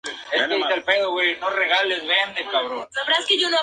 Nada podría estar más lejos de la verdad.